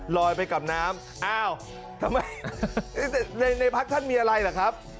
ลอยไปกับน้ำอ้าวทำไมในพักท่านมีอะไรล่ะครับ